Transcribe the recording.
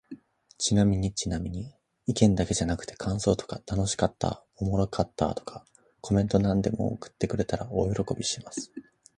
ちなみにちなみに、意見だけじゃなくて感想とか楽しかった〜おもろかった〜とか、コメントなんでも送ってくれたら大喜びします。